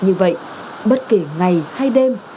như vậy bất kể ngày hay đêm